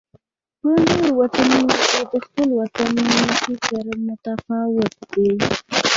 په نورو وطنونو کې د خپل وطن فکر متفاوت دی.